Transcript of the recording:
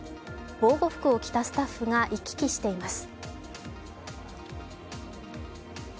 防護服を着たスタッフが行き来しています。